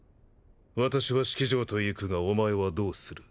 私は式尉と行くがお前はどうする？